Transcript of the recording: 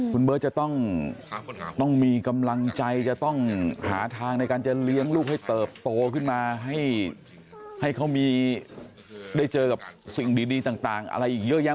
คุณเบิร์ตจะต้องมีกำลังใจจะต้องหาทางในการจะเลี้ยงลูกให้เติบโตขึ้นมาให้เขาได้เจอกับสิ่งดีต่างอะไรอีกเยอะแยะ